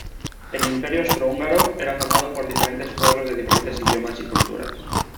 El Imperio Austrohúngaro era formado por diferentes pueblos de diferentes idiomas y culturas.